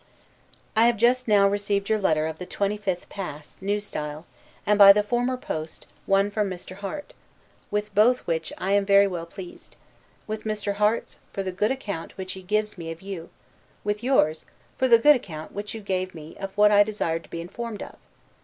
I have just now received your letter of the 25th past, N. S., and, by the former post, one from Mr. Harte; with both which I am very well pleased: with Mr. Harte's, for the good account which he gives me of you; with yours, for the good account which you gave me of what I desired to be informed of.